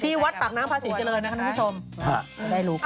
ชีวัฏปากน้ำพาศีเจริญนะครับคุณผู้ชม